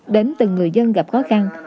đến từng người dân gặp khó khăn